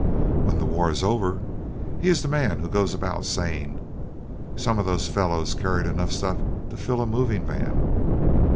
When the war is over, he is the man who goes about saying: "Some of those fellows carried enough stuff to fill a moving van.